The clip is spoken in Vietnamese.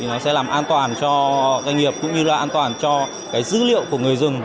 nó sẽ làm an toàn cho doanh nghiệp cũng như là an toàn cho dữ liệu của người dùng